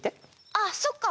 ああそっか。